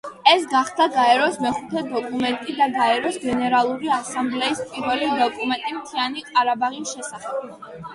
ეს გახდა გაეროს მეხუთე დოკუმენტი და გაეროს გენერალური ასამბლეის პირველი დოკუმენტი მთიანი ყარაბაღის შესახებ.